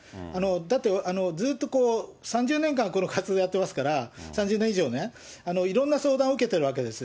だってずっと３０年間活動やっていますから、３０年以上ね、いろんな相談を受けてるわけです。